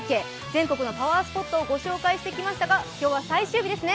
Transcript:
全国のパワースポットをご紹介してきましたが、今日は最終日です。